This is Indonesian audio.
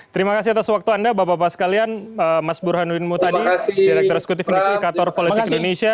terima kasih atas waktu anda bapak bapak sekalian mas burhanuddin mutadi direktur eksekutif indikator politik indonesia